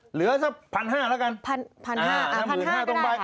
เหลือสักพันห้าแล้วกันพันห้าก็ได้ค่ะ